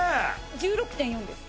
１６．４です。